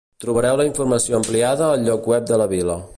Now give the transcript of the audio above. Trobareu la informació ampliada al lloc web de la vila.